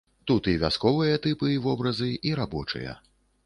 Тут і вясковыя тыпы і вобразы, і рабочыя.